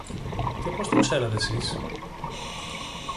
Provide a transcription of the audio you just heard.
Και πώς το ξέρετε σεις;